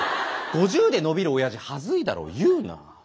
５０で伸びるおやじ恥ずいだろ言うな。